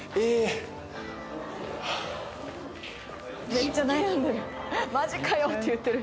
めっちゃ悩んでる。